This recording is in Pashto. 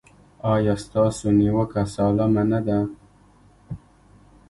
ایا ستاسو نیوکه سالمه نه ده؟